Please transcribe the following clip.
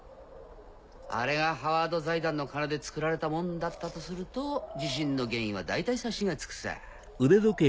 あれがハワード財団の金で造られたもんだったとすると地震の原因は大体察しがつくさ。